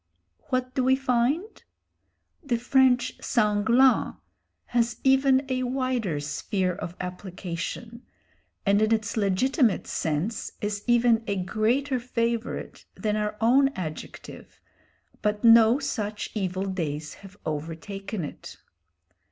What do we find? The French sanglant has even a wider sphere of application, and in its legitimate sense is even a greater favourite than our own adjective, but no such evil days have overtaken it.